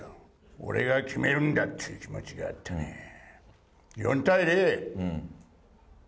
俺が決めるんだって気持ちがあってね、４対０。